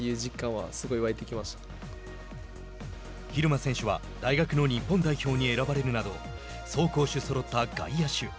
蛭間選手は大学の日本代表に選ばれるなど走攻守そろった外野手。